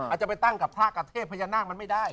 อาจจะไปตั้งกับพระกับเทพพญานาคมันไม่ได้